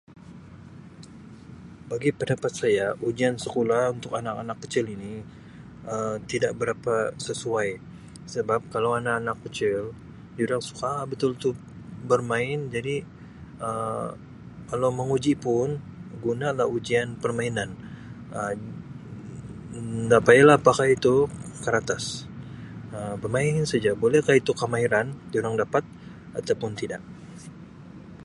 Bagi pendapat saya ujian sukulah untuk anak-anak kecil ini Um tidak berapa sesuai sebab kalau anak-anak kecil durang suka betul tu bermain jadi Um kalau menguji pun gunalah ujian permainan Um nda payahlah pakai itu karatas Um bemain saja, boleh ka itu kemahiran durang dapat ataupun tidak.